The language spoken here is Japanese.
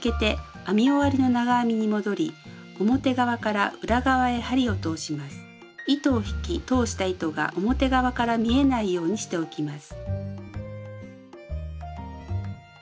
次は前段を最後は糸を引き通した糸が表側から見えないようにしておきます。